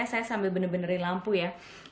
saya sambil bener benerin lampu ya